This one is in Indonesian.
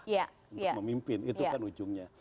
untuk memimpin itu kan ujungnya